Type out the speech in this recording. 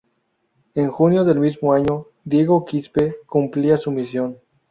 En junio del mismo año, Diego Quispe cumplía su misión.